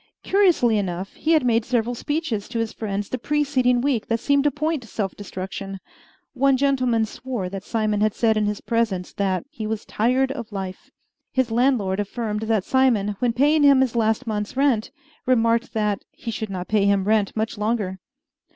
Curiously enough, he had made several speeches to his friends the preceding week that seemed to point to self destruction. One gentleman swore that Simon had said in his presence that "he was tired of life." His landlord affirmed that Simon, when paying him his last month's rent, remarked that "he should not pay him rent much longer."